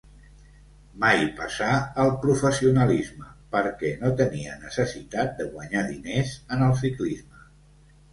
Mai passà al professionalisme perquè no tenia necessitat de guanyar diners en el ciclisme.